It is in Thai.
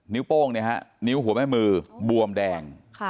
นิ้วโป้งเนี่ยครับนิ้วหัวแม่มือบวมแดง